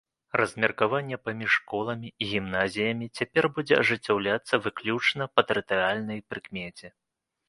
Размеркаванне паміж школамі і гімназіямі цяпер будзе ажыццяўляцца выключна па тэрытарыяльнай прыкмеце.